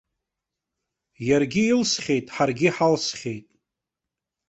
Иаргьы илсхьеит, ҳаргьы иҳалсхьеит.